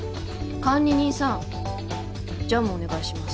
管理人さんジャムお願いします。